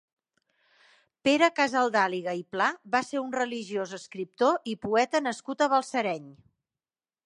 Pere Casaldàliga i Pla va ser un religiós, escriptor i poeta nascut a Balsareny.